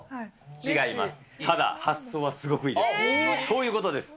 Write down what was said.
そういうことです。